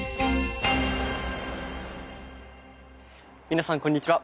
皆さんこんにちは。